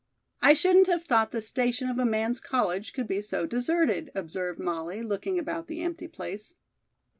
"I shouldn't have thought the station of a man's college could be so deserted," observed Molly, looking about the empty place.